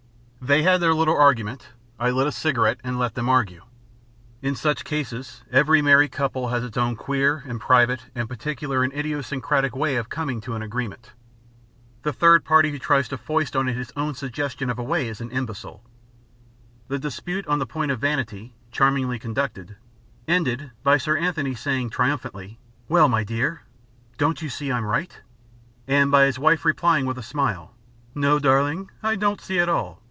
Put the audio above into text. They had their little argument. I lit a cigarette and let them argue. In such cases, every married couple has its own queer and private and particular and idiosyncratic way of coming to an agreement. The third party who tries to foist on it his own suggestion of a way is an imbecile. The dispute on the point of vanity, charmingly conducted, ended by Sir Anthony saying triumphantly: "Well, my dear, don't you see I'm right?" and by his wife replying with a smile: "No, darling, I don't see at all.